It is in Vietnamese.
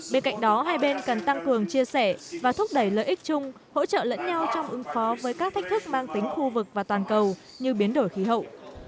bên cạnh đó hai bên cần tăng cường chia sẻ và thúc đẩy lợi ích chung hỗ trợ lẫn nhau trong ứng phó với các thách thức mang tính khu vực và toàn cầu như biến đổi khí hậu